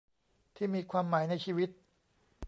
ที่มีความหมายในชีวิต